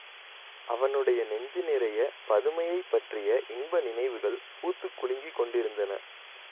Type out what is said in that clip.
அவனுடைய நெஞ்சு நிறையப் பதுமையைப் பற்றிய இன்ப நினைவுகள் பூத்துக் குலுங்கிக் கொண்டிருந்தன.